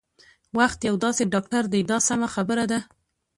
وخت یو داسې ډاکټر دی دا سمه خبره ده.